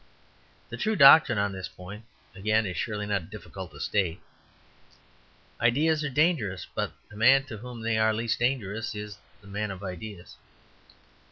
The true doctrine on this point, again, is surely not very difficult to state. Ideas are dangerous, but the man to whom they are least dangerous is the man of ideas.